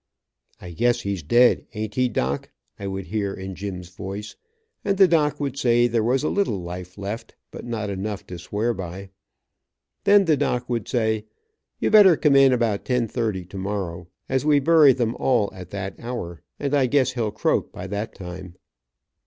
"I guess he's dead, ain't he doc?" I would hear in Jim's voice, and the doc would say there was a little life left, but not enough, to swear by. Then the doc would say, "You better come in about 10:30 tomorrow, as we bury them all at that hour, and I guess he'll croak by that time."